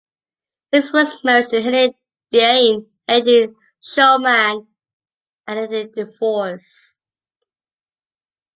His first marriage to Helene Diane "Hedi" Shulman ended in divorce.